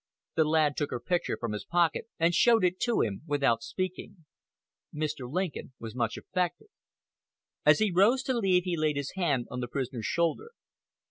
The lad took her picture from his pocket, and showed it to him without speaking. Mr. Lincoln was much affected. As he rose to leave he laid his hand on the prisoner s shoulder.